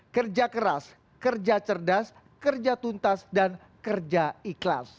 kerja keras kerja cerdas kerja tuntas dan kerja ikhlas